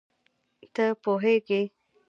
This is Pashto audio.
ته پوهېږې